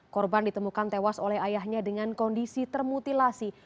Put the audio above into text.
korban ditemukan tewas oleh ayahnya dengan kondisi termutilasi